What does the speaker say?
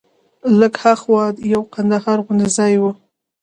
لږ ها خوا یو کنډر غوندې ځای و.